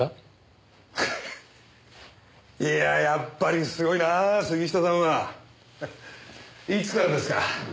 フフいややっぱりすごいなあ杉下さんは。いつからですか？